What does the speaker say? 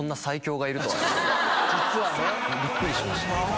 実はね。びっくりしました。